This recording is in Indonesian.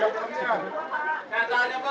pak tahan pak